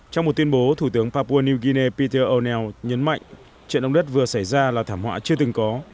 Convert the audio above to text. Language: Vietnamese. trong một tuyên bố thủ tướng papua new guinea peter oneil nhấn mạnh trận động đất vừa xảy ra là thảm họa chưa từng có